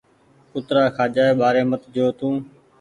ڪُترآ کآجآئي ٻآري مت جو تونٚ